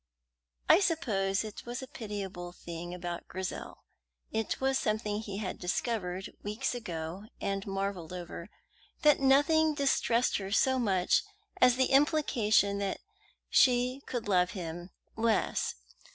I suppose it was a pitiable thing about Grizel it was something he had discovered weeks ago and marvelled over that nothing distressed her so much as the implication that she could love him less.